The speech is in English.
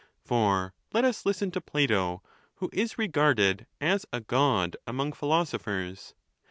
XII. For let us listen to Plato, who is regarded as a God among philosophers.